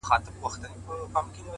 o صدقه دي سم تر تكــو تــورو سترگو؛